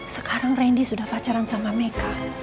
sekarang randy sudah pacaran sama meka